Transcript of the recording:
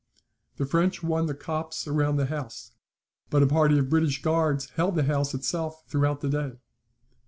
The French won the copse round the house, but a party of the British Guards held the house itself throughout the day.